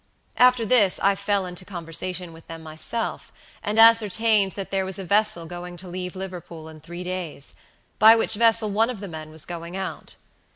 After this I fell into conversation with them myself, and ascertained that there was a vessel going to leave Liverpool in three days, by which vessel one of the men was going out.